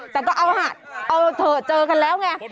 แต่ก็เอาจะเจอกันแล้วไง